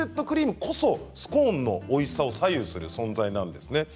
クリームこそスコーンのおいしさを左右する存在なんです。